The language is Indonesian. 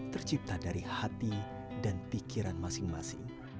tercipta dari hati dan pikiran masing masing